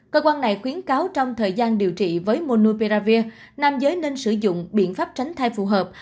cơ quan này khuyến cáo trong thời gian điều trị với monu pearavir nam giới nên sử dụng biện pháp tránh thai phù hợp